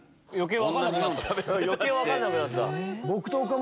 余計分かんなくなったかも。